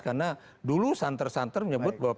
karena dulu santer santer menyebut bahwa pkb